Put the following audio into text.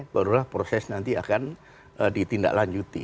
barulah proses nanti akan ditindaklanjuti